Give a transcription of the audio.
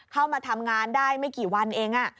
เข้ามาทำงานได้ไม่กี่วันเอง